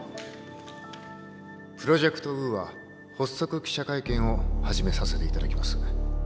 プロジェクト・ウーア発足記者会見を始めさせていただきます。